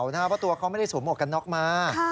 เพราะตัวเขาไม่ได้สวมหวกกันน็อกมา